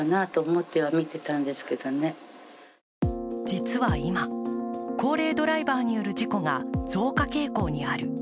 実は今、高齢ドライバーによる事故が増加傾向にある。